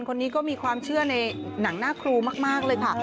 คนนี้ก็มีความเชื่อในหนังหน้าครูมากเลยค่ะ